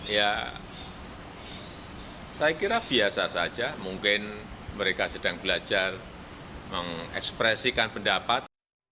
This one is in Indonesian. ya saya kira biasa saja mungkin mereka sedang belajar mengekspresikan pendapat